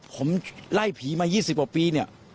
ผมไล่ผีมา๒๐กว่าปีเนี่ย